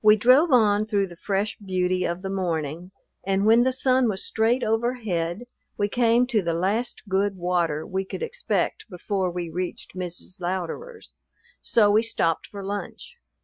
We drove on through the fresh beauty of the morning, and when the sun was straight overhead we came to the last good water we could expect before we reached Mrs. Louderer's; so we stopped for lunch.